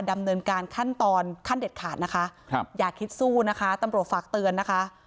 ดำเนินการขั้นตอนขั้นเด็ดขาดอย่าคิดสู้ตำรวจฝากเตือน